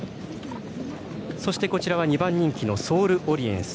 そして、２番人気のソールオリエンス。